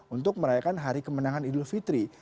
untuk merayakan hari kemenangan idul fitri